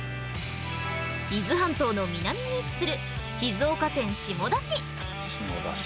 伊豆半島の南に位置する下田市。